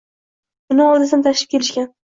Uni olisdan tashib kelishgan.